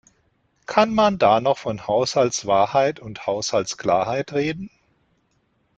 Kann man da noch von Haushaltswahrheit und Haushaltsklarheit reden?